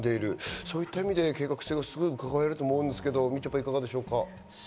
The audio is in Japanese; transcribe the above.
そういった意味で計画性がすごく伺えると思うんですけど、みちょぱ、いかがでしょうか？